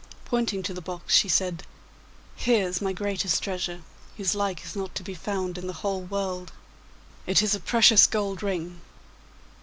Pointing to the box, she said, 'Here is my greatest treasure, whose like is not to be found in the whole world. It is a precious gold ring.